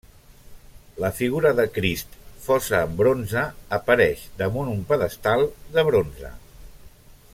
La figura de Crist fosa en bronze, apareix damunt un pedestal de bronze.